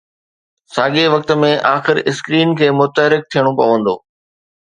ساڳئي وقت ۾، آخر اسڪرين کي متحرڪ ٿيڻو پوندو.